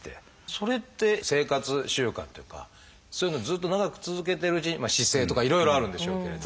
それって生活習慣というかそういうのをずっと長く続けてるうちに姿勢とかいろいろあるんでしょうけれど。